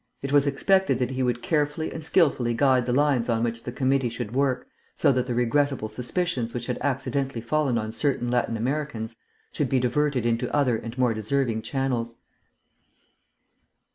It was expected that he would carefully and skilfully guide the lines on which the committee should work so that the regrettable suspicions which had accidentally fallen on certain Latin Americans should be diverted into other and more deserving channels.